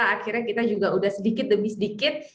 akhirnya kita juga udah sedikit demi sedikit